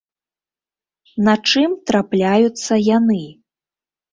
На чым трапляюцца яны?